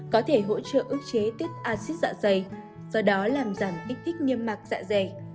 có thể hỗ trợ ước chế tiết axit dạ dày do đó làm giảm kích thích niêm mạc dạ dày